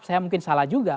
saya mungkin salah juga